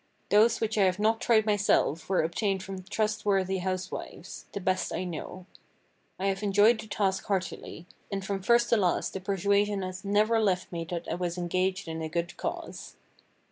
Those which I have not tried myself were obtained from trustworthy housewives—the best I know. I have enjoyed the task heartily, and from first to last the persuasion has never left me that I was engaged in a good cause.